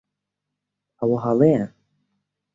ئەوە ھەڵەیە.